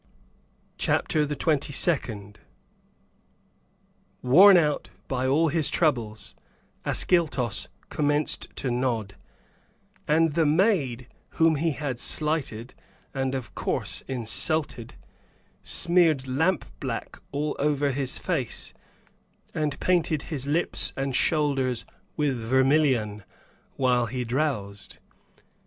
CHAPTER THE TWENTY SECOND. Worn out by all his troubles, Ascyltos commenced to nod, and the maid, whom he had slighted, and of course insulted, smeared lampblack all over his face, and painted his lips and shoulders with vermillion, while he drowsed.